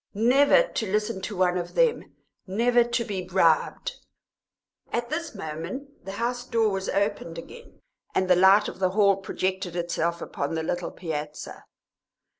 "Never to listen to one of them, never to be bribed " At this moment the house door was opened again, and the light of the hall projected itself across the little piazza.